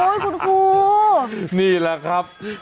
คุณครูนี่แหละครับ